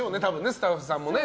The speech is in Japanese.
スタッフさんもね。